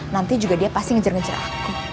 nanti juga dia pasti ngejar ngejar aku